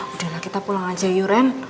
udah lah kita pulang aja yuk ren